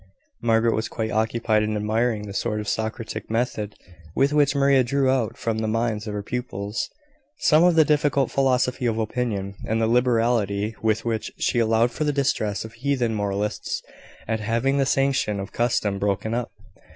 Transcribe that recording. Margaret was quite occupied in admiring the sort of Socratic method, with which Maria drew out from the minds of her pupils some of the difficult philosophy of Opinion, and the liberality with which she allowed for the distress of heathen moralists at having the sanction of Custom broken up.